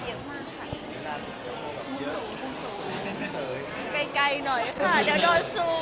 สูงไกลหน่อยค่ะเดี๋ยวโดนซูม